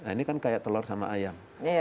ini seperti telur sama ayam